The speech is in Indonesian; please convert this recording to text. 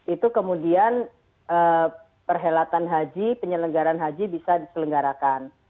itu kemudian perhelatan haji penyelenggaran haji bisa diselenggarakan